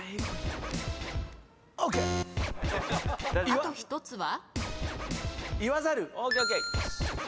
あと１つは？